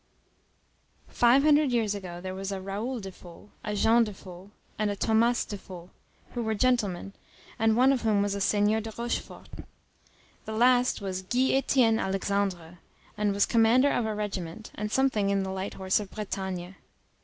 Five hundred years ago there was a Raoul de Faux, a Jean de Faux, and a Thomas de Faux, who were gentlemen, and one of whom was a seigneur de Rochefort. The last was Guy Étienne Alexandre, and was commander of a regiment, and something in the light horse of Bretagne.